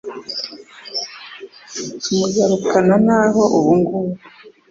Tumugarukana naho ubu ngubu